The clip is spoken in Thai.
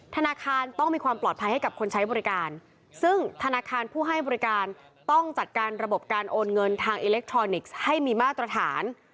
ธนาคารต้องมีความปลอดภัยให้กับคนใช้บริการซึ่งธนาคารผู้ให้บริการต้องจัดการระบบการโอนเงินทางอิเล็กทรอนิกส์ให้มีมาตรฐาน